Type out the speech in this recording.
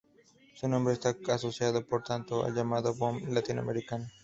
Su nombre está asociado, por tanto, al llamado boom latinoamericano.